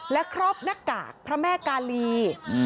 และครอบหน้ากากพระแม่กาลี